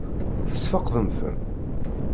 Tesfeqdem-ten?